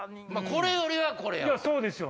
これよりはこれやわ。